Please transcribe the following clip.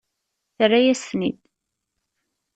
Terra-yas-ten-id.